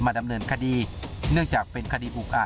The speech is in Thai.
ดำเนินคดีเนื่องจากเป็นคดีอุกอาจ